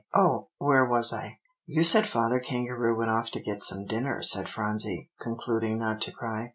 Oh, where was I?" "You said Father Kangaroo went off to get some dinner," said Phronsie, concluding not to cry.